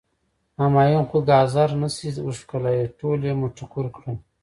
همایون خو ګازر نه شي وښکلی، ټول یی مټکور کړل.